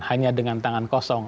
hanya dengan tangan kosong